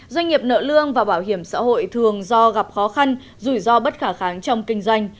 doanh nghiệp nợ lương và bảo hiểm xã hội thường do gặp khó khăn rủi ro bất khả kháng trong kinh doanh